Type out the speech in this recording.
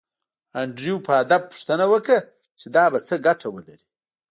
انډریو په ادب پوښتنه وکړه چې دا به څه ګټه ولري